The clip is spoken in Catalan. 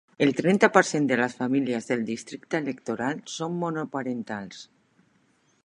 El trenta per cent de les famílies del districte electoral són monoparentals.